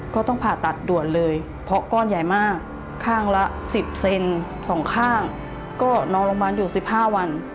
ก็ต้องผ่าตัดด่วนเลยเพราะก้อนใหญ่มากข้างละ๑๐เซนสองข้างก็นอนโรงพยาบาลอยู่๑๕วัน